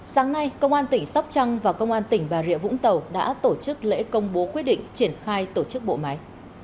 sáng nay công an tỉnh sóc trăng và công an tỉnh bà rịa vũng tàu đã tổ chức lễ công bố quyết định triển khai tổ chức bộ máy